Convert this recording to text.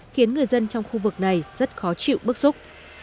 khiến người dân trong khu vực này rất khó chịu bức xúc